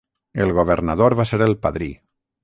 El governador va ser el padrí.